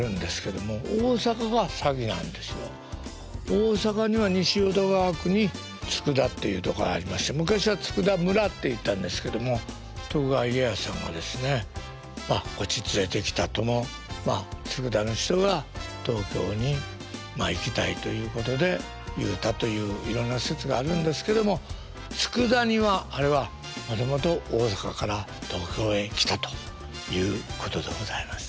大阪には西淀川区に佃っていうとこありまして昔は佃村っていったんですけども徳川家康さんがですねまあこっち連れてきたとも佃の人が東京に行きたいということで言うたといういろんな説があるんですけども佃煮はあれはもともと大阪から東京へ来たということでございます。